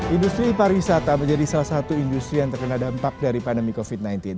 industri pariwisata menjadi salah satu industri yang terkena dampak dari pandemi covid sembilan belas